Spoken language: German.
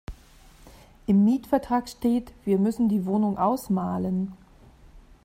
Im Mietvertrag steht, wir müssen die Wohnung ausmalen.